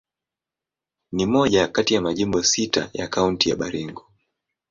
Ni moja kati ya majimbo sita ya Kaunti ya Baringo.